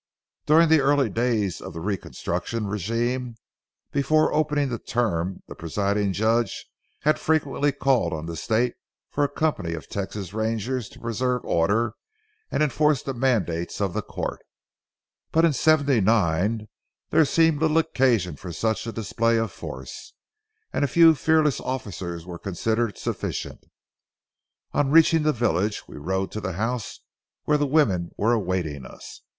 During the early days of the reconstruction regime, before opening the term the presiding judge had frequently called on the state for a company of Texas Rangers to preserve order and enforce the mandates of the court. But in '79 there seemed little occasion for such a display of force, and a few fearless officers were considered sufficient. On reaching the village, we rode to the house where the women were awaiting us.